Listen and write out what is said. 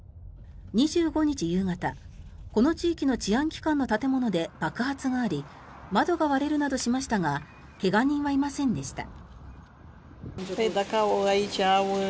２５日夕方、この地域の治安機関の建物で爆発があり窓が割れるなどしましたが怪我人はいませんでした。